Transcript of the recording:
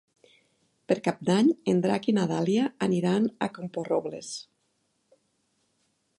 Per Cap d'Any en Drac i na Dàlia aniran a Camporrobles.